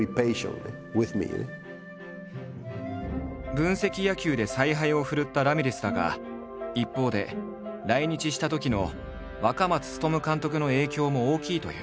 分析野球で采配を振るったラミレスだが一方で来日したときの若松勉監督の影響も大きいという。